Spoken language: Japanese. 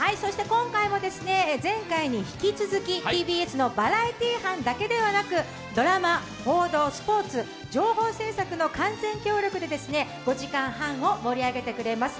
今回も前回に引き続きＴＢＳのバラエティー班だけではなくドラマ、報道、スポーツ、情報制作の協力で５時間半を盛り上げてくれます。